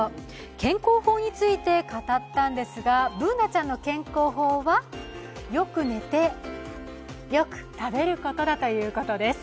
健康法について語ったんですがＢｏｏｎａちゃんの健康法は、よく寝て、よく食べることだということです。